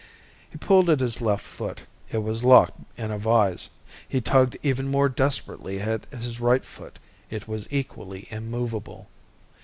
He pulled at his left foot. It was locked in a vise. He tugged even more desperately at his right foot. It was equally immovable.